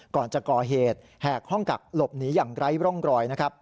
ก่อนจะก่อเหตุแหกห้องกักหลบหนีอย่างไร้ร่องรอยนะครับ